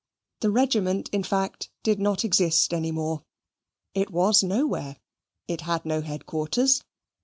The regiment in fact did not exist any more. It was nowhere. It had no head quarters.